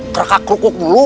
keraka kerukuk dulu